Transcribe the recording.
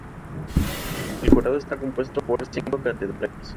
El jurado está compuesto por cinco catedráticos.